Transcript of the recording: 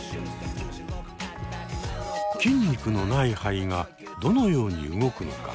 筋肉のない肺がどのように動くのか？